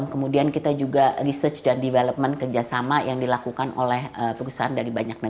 kemudian kita juga research dan development kerjasama yang dilakukan oleh perusahaan dari banyak negara